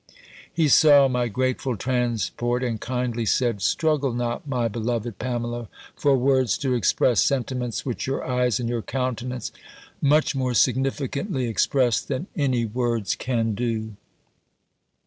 He saw my grateful transport, and kindly said, "Struggle not, my beloved Pamela, for words to express sentiments which your eyes and your countenance much more significantly express than any words can do.